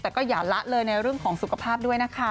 แต่ก็อย่าละเลยในเรื่องของสุขภาพด้วยนะคะ